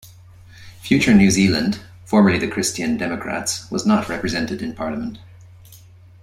Future New Zealand, formerly the Christian Democrats, was not represented in parliament.